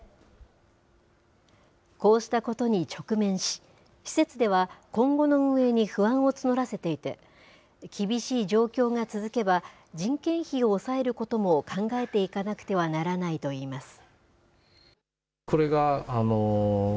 こうしたことに直面し、施設では今後の運営に不安を募らせていて、厳しい状況が続けば、人件費を抑えることも考えていかなくてはならないといいます。